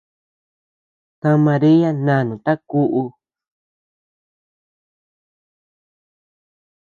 Ta Maria nanuta kuʼu.